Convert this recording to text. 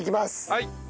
はい。